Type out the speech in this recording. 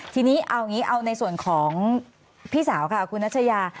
ทีนี้เอางี้เอาในส่วนของพี่สาวค่ะคุณนัชยา